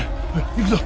行くぞ。